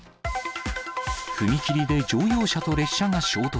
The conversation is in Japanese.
踏切で乗用車と列車が衝突。